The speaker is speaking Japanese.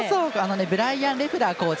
ブライアン・レフラーコーチ